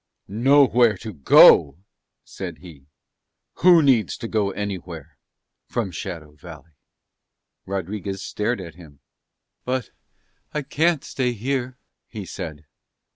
"Nowhere to go!" said he. "Who needs go anywhere from Shadow Valley?" Rodriguez stared at him. "But I can't stay here!" he said.